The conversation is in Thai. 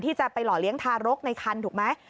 จะไปหล่อเลี้ยงทารกในคันถูกไหม